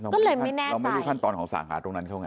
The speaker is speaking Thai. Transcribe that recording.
ก็เลยไม่แน่เราไม่รู้ขั้นตอนของสาขาตรงนั้นเขาไง